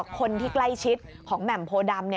คนที่ใกล้ชิดของแหม่มโพดำ